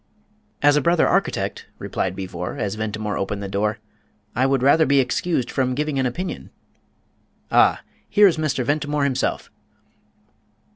"As a brother architect," replied Beevor, as Ventimore opened the door, "I would rather be excused from giving an opinion.... Ah, here is Mr. Ventimore himself."